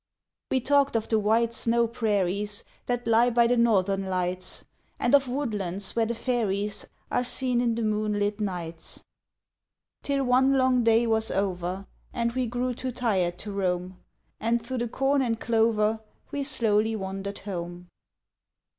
We talked of the white snow prairies That lie by the Northern lights, And of woodlands where the fairies Are seen in the moonlit nights. Till one long day was over And we grew too tired to roam, And through the corn and clover We slowly wandered home.